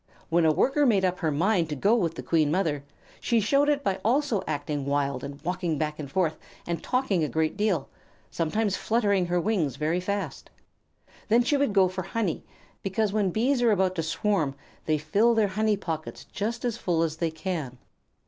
When a Worker made up her mind to go with the Queen Mother, she showed it by also acting wild and walking back and forth, and talking a great deal, sometimes fluttering her wings very fast. Then she would go for honey, because when Bees are about to swarm they fill their honey pockets just as full as they can.